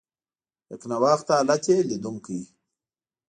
یکنواخته حالت یې لیدونکي.